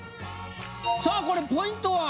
さあこれポイントは？